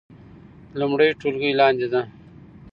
لومړۍ ټولګی لاندې ده